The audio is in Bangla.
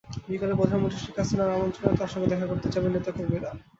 বিকেলে প্রধানমন্ত্রী শেখ হাসিনার আমন্ত্রণে তাঁর সঙ্গে দেখা করতে যাবেন নেতা কর্মীরা।